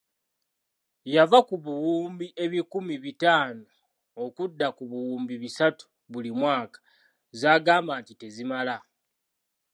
Yava ku buwumbi ebikumi bitaano okudda ku buwumbi bisatu buli mwaka z'agamba nti tezimala.